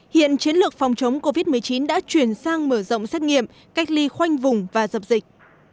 hiện chiến lược phòng chống covid một mươi chín đã chuyển sang mở rộng xét nghiệm cách ly khoanh vùng và dập dịch